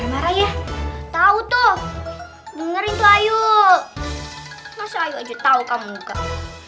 marah marah ya tahu tuh dengerin tuh ayo masa ayo aja tau kamu gak